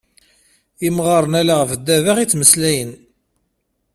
Imɣaren-a ala ɣef ddabex ay ttmeslayen.